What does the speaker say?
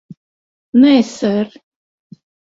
Nē, ser.